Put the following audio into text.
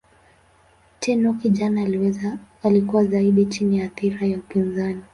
Tenno kijana alikuwa zaidi chini ya athira ya upinzani.